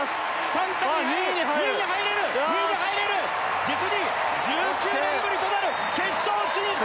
３着２位に入れる２位に入れる実に１９年ぶりとなる決勝進出！